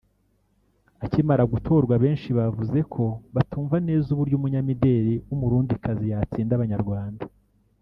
akimara gutorwa benshi bavuze ko batumva neza ‘uburyo umunyamideli w’Umurundikazi yatsinda Abanyarwanda